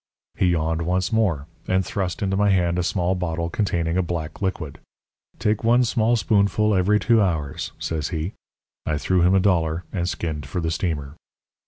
He yawned once more, and thrust into my hand a small bottle containing a black liquid. "'Take one small spoonful every two hours,' says he. "I threw him a dollar and skinned for the steamer.